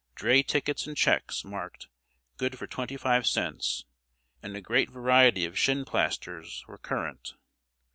Dray tickets and checks, marked "Good for twenty five cents," and a great variety of shinplasters, were current.